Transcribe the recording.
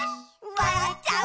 「わらっちゃう」